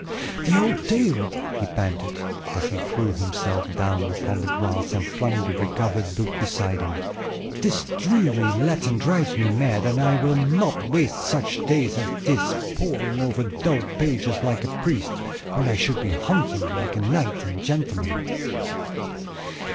"The old tale," he panted, as he threw himself down upon the grass and flung the recovered book beside him. "This dreary Latin drives me mad, and I will not waste such days as this poring over dull pages like a priest, when I should be hunting like a knight and gentleman."